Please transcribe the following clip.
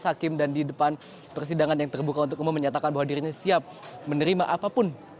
hakim dan di depan persidangan yang terbuka untuk umum menyatakan bahwa dirinya siap menerima apapun